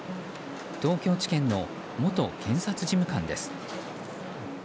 東京地検の元検察事務官です。